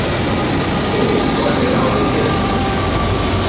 Ooh, what a lovely pic!